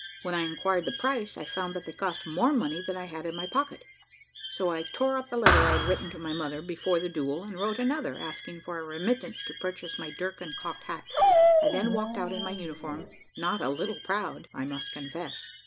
When I inquired the price, I found that they cost more money than I had in my pocket, so I tore up the letter I had written to my mother before the duel, and wrote another asking for a remittance to purchase my dirk and cocked hat. I then walked out in my uniform, not a little proud, I must confess.